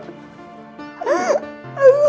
untuk hal yang berbeda